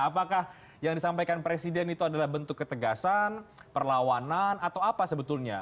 apakah yang disampaikan presiden itu adalah bentuk ketegasan perlawanan atau apa sebetulnya